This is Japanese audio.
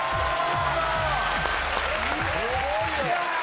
すごいな！